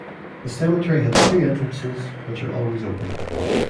The cemetery has two entrances which are always open.